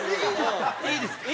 いいですか？